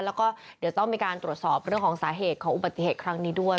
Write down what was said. แล้วก็เดี๋ยวต้องมีการตรวจสอบเรื่องของสาเหตุของอุบัติเหตุครั้งนี้ด้วย